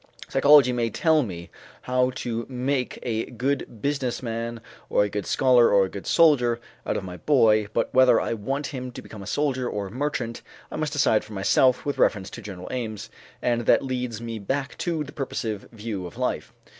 Psychology may tell me how to make a good business man or a good scholar or a good soldier out of my boy, but whether I want him to become a soldier or a merchant I must decide for myself with reference to general aims, and that leads me back to the purposive view of life.